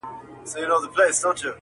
هر سړي ته خپله ورځ او قسمت ګوري-